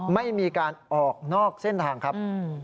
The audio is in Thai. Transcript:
ไม่มีการออกนอกเส้นทางครับ